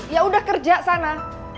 ya udah kerja sana